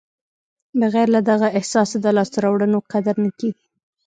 بغیر له دغه احساسه د لاسته راوړنو قدر نه کېږي.